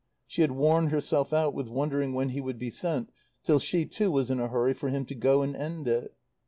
She had worn herself out with wondering when he would be sent, till she, too, was in a hurry for him to go and end it.